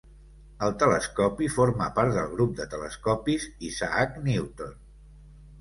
El telescopi forma part del Grup de telescopis Isaac Newton.